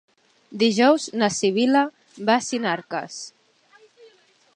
Dijous na Sibil·la va a Sinarques.